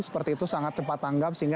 seperti itu sangat cepat tanggap sehingga